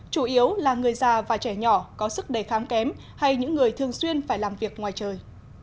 chủ yếu là người già và trẻ nhỏ có sức đề kháng kém hay những người thường xuyên phải làm việc ngoài trời